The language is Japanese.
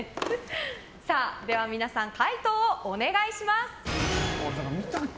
皆さん、回答をお願いします。